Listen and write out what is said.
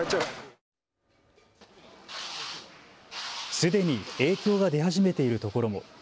すでに影響が出始めているところも。